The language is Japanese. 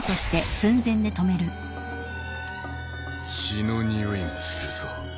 血のにおいがするぞ。